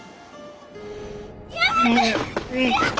やめて！